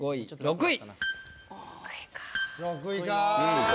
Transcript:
６位かぁ！